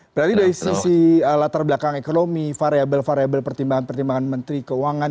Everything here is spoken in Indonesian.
berarti dari sisi latar belakang ekonomi variable variable pertimbangan pertimbangan menteri keuangan